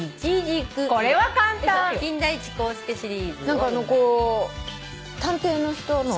何かあのこう探偵の人の？